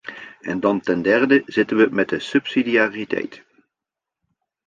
En dan ten derde zitten we met de subsidiariteit.